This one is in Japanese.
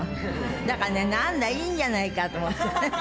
だからね、なんだ、いいんじゃないかと思ってね。